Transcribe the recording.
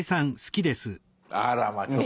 あらまあちょっと。